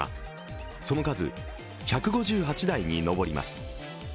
その数１５８台に上ります。